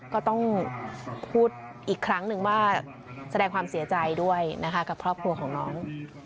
ก็ต้องพูดอีกครั้งหนึ่งว่าแสดงความเสียใจด้วยนะคะกับครอบครัวของน้อง